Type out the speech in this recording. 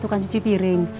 tukang cuci piring